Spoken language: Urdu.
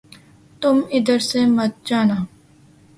تم ادھر سے مت جانا